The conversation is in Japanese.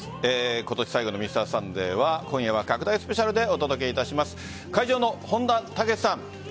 今年最後のＭｒ．サンデーは今夜は拡大スペシャルでお届けします。